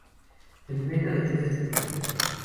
Se alimenta de peces pequeños.